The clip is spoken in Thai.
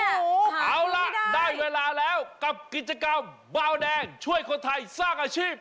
เอาล่ะได้เวลาแล้วกับกิจกรรมเบาแดงช่วยคนไทยสร้างอาชีพ